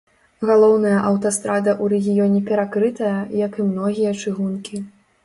Галоўная аўтастрада ў рэгіёне перакрытая, як і многія чыгункі.